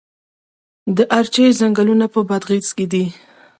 د ارچې ځنګلونه په بادغیس کې دي؟